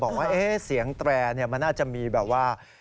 บอกว่าเสียงแตรมันน่าจะมีแบบว่า